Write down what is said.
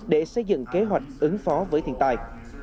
để xây dựng kế hoạch ứng phó với thiên tài